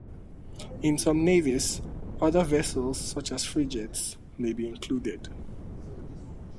In some navies other vessels, such as frigates, may be included.